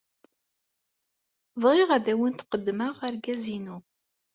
Bɣiɣ ad awent-d-qeddmeɣ argaz-inu.